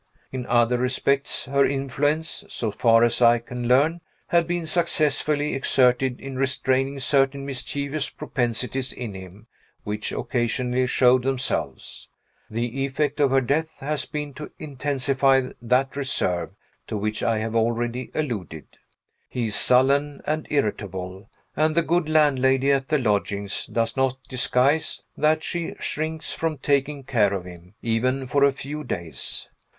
In other respects, her influence (so far as I can learn) had been successfully exerted in restraining certain mischievous propensities in him, which occasionally showed themselves. The effect of her death has been to intensify that reserve to which I have already alluded. He is sullen and irritable and the good landlady at the lodgings does not disguise that she shrinks from taking care of him, even for a few days.